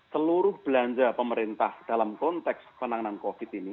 seluruh belanja pemerintah dalam konteks penanganan covid ini